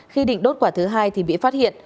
khi định đốt quả thứ hai thì bị phát hiện